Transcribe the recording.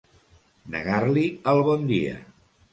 Negar-li el bon dia.